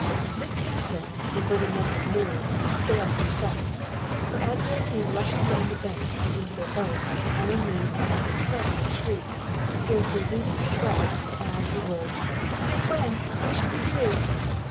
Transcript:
This counsel, before the men have moved, fails in effect; for as they are seen rushing down the bank and into their boat, Ellen Lees utters a terrified shriek, scarcely leaving her breath to add the words "Dear Gwen! what shall we do?"